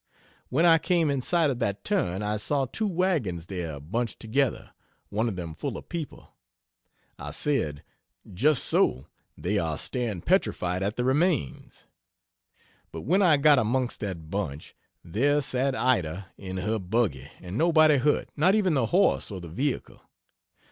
When I came in sight of that turn I saw two wagons there bunched together one of them full of people. I said, "Just so they are staring petrified at the remains." But when I got amongst that bunch, there sat Ida in her buggy and nobody hurt, not even the horse or the vehicle.